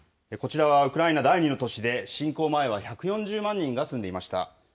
こちらはウクライナ第２の都市で、侵攻前は１４０万人が住んでいました。